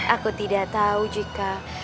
aku tidak tahu jika